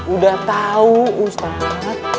udah tau ustad